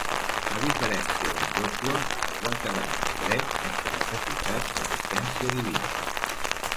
A diferència d'en Joshua, es va quedar dret sense necessitat d'assistència divina.